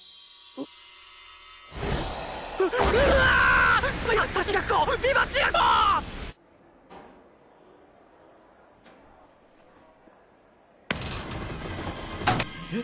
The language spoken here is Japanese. あっ！